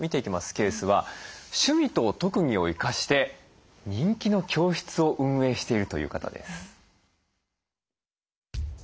ケースは趣味と特技を生かして人気の教室を運営しているという方です。